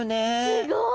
すごい！